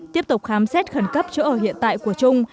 tiếp tục khám xét khẩn cấp chỗ ở hiện tại của trung